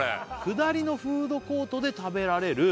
「下りのフードコートで食べられる」